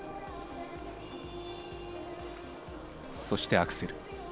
そしてアクセル。